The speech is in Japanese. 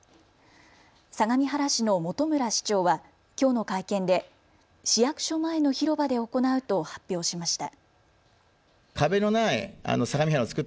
相模原市の本村市長はきょうの会見で市役所前の広場で行うと発表しました。